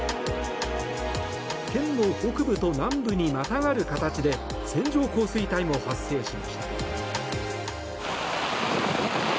県の北部と南部にまたがる形で線状降水帯も発生しました。